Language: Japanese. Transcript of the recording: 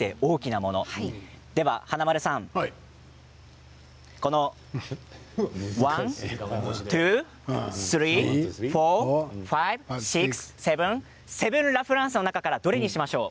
では、華丸さんこのセブンラ・フランスの中からどれにしましょう？